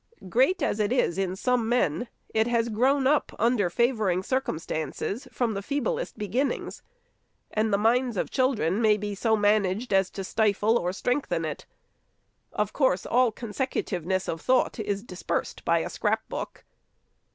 Great as it is in some men, it has grown up, under favoring circum stances, from the feeblest beginnings ; and the minds of all children may be managed so as to stifle or strengthen it. Of course, all consecutiveness of thought is dispersed by a scrap book.